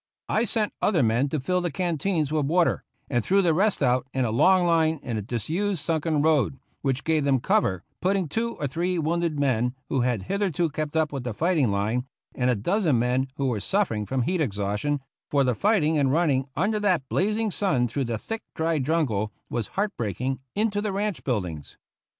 I sent other men to 99 THE ROUGH RIDERS fill the canteens with water, and threw the rest out in a long line in a disused sunken road, which gave them cover, putting two or three wounded men, who had hitherto kept up with the fighting line, and a dozen men who were suffering from heat exhaustion — for the fighting and running under that blazing sun through the thick dry jun gle was heart breaking — into the ranch buildings.